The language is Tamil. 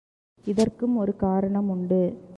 இதற்கும் ஒரு காரணம் உண்டு.